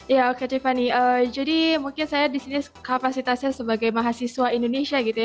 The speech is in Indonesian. ya oke syafani jadi mungkin saya disini kapasitasnya sebagai mahasiswa indonesia gitu ya